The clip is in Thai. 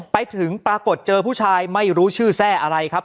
ไปถึงปรากฏเจอผู้ชายไม่รู้ชื่อแทร่อะไรครับ